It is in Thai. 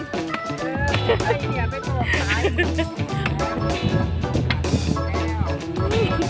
เออไอเดียไปโกรธคล้าย